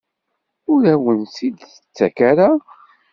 Ur awen-tt-id-tettak ara?